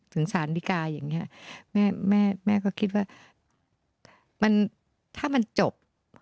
ถึงศาลนิกาอย่างเนี้ยแม่แม่แม่ก็คิดว่ามันถ้ามันจบ